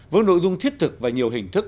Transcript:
với nội dung thiết thực và nhiều hình thức